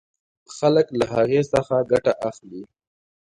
خلک له هغې څخه ګټه اخلي.